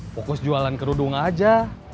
fokus jualan kerudung aja